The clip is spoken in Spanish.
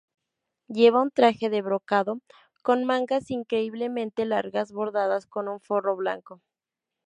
Lleva un traje de brocado, con mangas increíblemente largas, bordadas con un forro blanco.